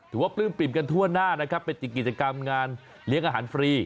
ปลื้มปิ่มกันทั่วหน้านะครับเป็นกิจกรรมงานเลี้ยงอาหารฟรี